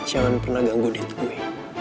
jangan pernah gangguin gue